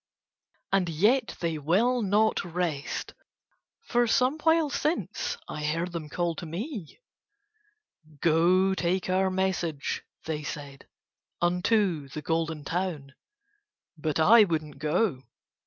And yet they will not rest, for some while since I heard them call to me. "Go take our message," they said, "unto the Golden Town." But I would not go.